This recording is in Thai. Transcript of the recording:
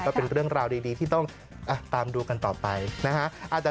ก็เป็นเรื่องราวดีที่ต้องตามดูกันต่อไปนะฮะ